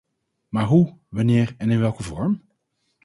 Maar hoe, wanneer en in welke vorm?